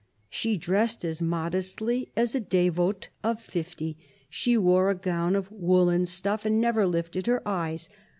..." She dressed as modestly as a devote of fifty. ,. She wore a gown of woollen stuff, and never lifted her eyes.